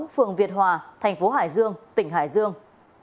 phường việt hòa thành phố hải dương tỉnh hải dương